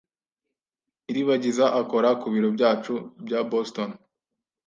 Iribagiza akora ku biro byacu bya Boston.